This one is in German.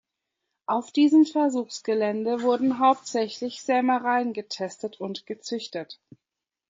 Auf diesem Versuchsgelände wurden hauptsächlich Sämereien getestet und gezüchtet.